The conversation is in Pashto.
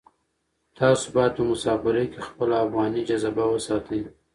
تاسو باید په مسافرۍ کې خپله افغاني جذبه وساتئ.